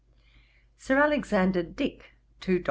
'SIR ALEXANDER DICK TO DR.